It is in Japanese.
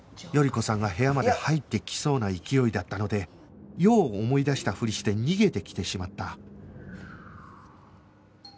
頼子さんが部屋まで入ってきそうな勢いだったので用を思い出したフリして逃げてきてしまった